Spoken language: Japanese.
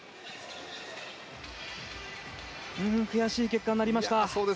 悔しい結果になりました。